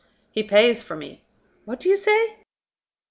"He pays for me." "What do you say?"